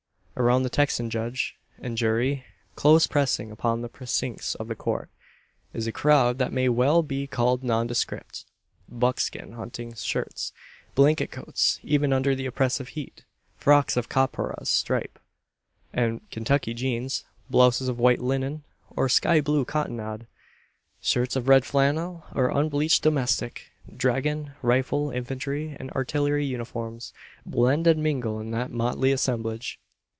Around the Texan judge and jury close pressing upon the precincts of the Court is a crowd that may well be called nondescript. Buckskin hunting shirts; blanket coats even under the oppressive heat; frocks of "copperas stripe" and Kentucky jeans; blouses of white linen, or sky blue cottonade; shirts of red flannel or unbleached "domestic"; dragoon, rifle, infantry, and artillery uniforms, blend and mingle in that motley assemblage.